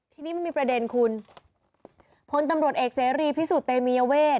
ทีนี้มันมีประเด็นคุณพลตำรวจเอกเสรีพิสุทธิเตมียเวท